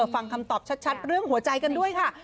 ฟังคำตอบชัดเรื่องหัวใจกันด้วยค่ะ